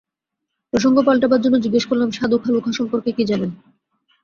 প্রসঙ্গ পাল্টাবর জন্যে জিজ্ঞেস করলাম, সাধু কালু খাঁ সম্পর্কে কী জানেন?